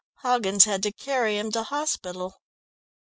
Hoggins had to carry him to hospital."